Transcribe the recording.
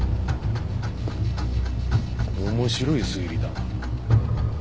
面白い推理だな。